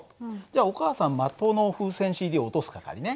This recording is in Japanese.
じゃあお母さん的の風船ＣＤ落とす係ね。